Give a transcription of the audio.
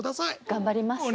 頑張ります。